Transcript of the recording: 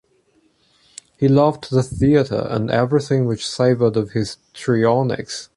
He loved the theatre and everything which savored of histrionics.